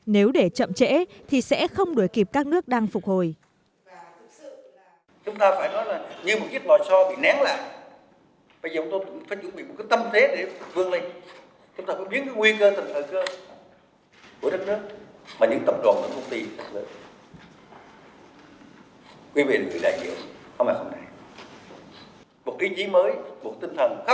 nếu để chậm trễ thì sẽ không đuổi kịp các nước đang phục hồi